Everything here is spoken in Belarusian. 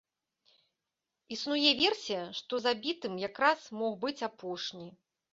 Існуе версія, што забітым якраз мог быць апошні.